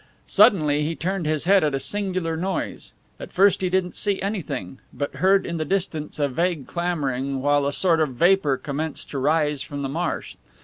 Suddenly he turned his head at a singular noise. At first he didn't see anything, but heard in the distance a vague clamoring while a sort of vapor commenced to rise from the marsh.